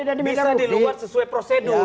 korupsi itu bisa diluat sesuai prosedur